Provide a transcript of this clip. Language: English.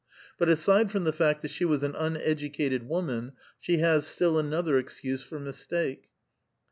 But aside from the fact that she was an uneducated woman, she has still another excuse for mistake.